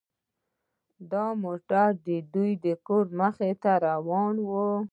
دا موټر د دوی د کور مخې ته روان و